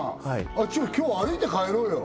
じゃあ今日歩いて帰ろうよ